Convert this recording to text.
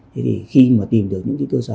thế thì khi mà tìm được những cái cơ sở